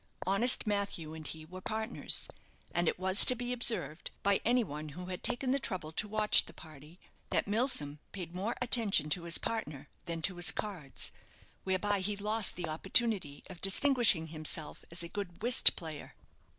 Honest Matthew and he were partners; and it was to be observed, by any one who had taken the trouble to watch the party, that Milsom paid more attention to his partner than to his cards, whereby he lost the opportunity of distinguishing himself as a good whist player.